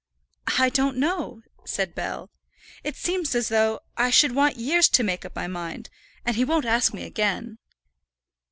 "I don't know," said Bell. "It seems as though I should want years to make up my mind; and he won't ask me again."